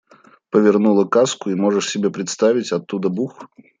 Повернула каску, и, можешь себе представить, оттуда бух!